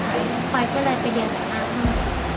แล้วพอยก็เลยไปเรียนแห่งหน้าให้